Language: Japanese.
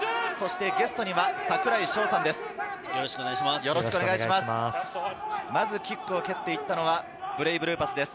ゲストには櫻井翔さんです。